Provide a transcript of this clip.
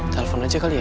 telepon aja kali ya